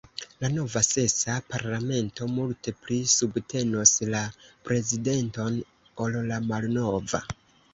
La nova, sesa, parlamento multe pli subtenos la prezidenton ol la malnova.